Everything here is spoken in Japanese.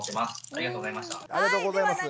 ありがとうございます。